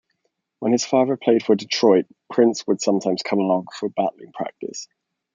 When his father played for Detroit, Prince would sometimes come along for batting practice.